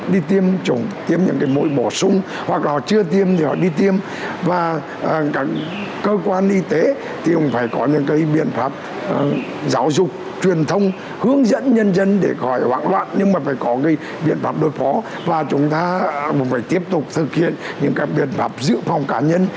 để khỏi hoảng loạn nhưng mà phải có biện pháp đối phó và chúng ta cũng phải tiếp tục thực hiện những biện pháp giữ phòng cá nhân